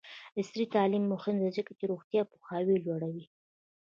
عصري تعلیم مهم دی ځکه چې روغتیایي پوهاوی لوړوي.